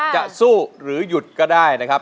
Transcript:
จะสู้หรือหยุดก็ได้นะครับ